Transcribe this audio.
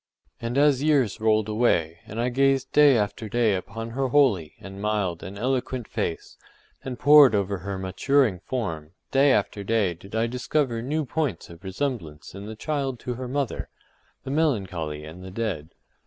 And as years rolled away, and I gazed day after day upon her holy, and mild, and eloquent face, and poured over her maturing form, day after day did I discover new points of resemblance in the child to her mother, the melancholy and the dead.